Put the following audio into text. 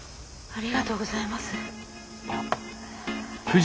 ありがとうございます。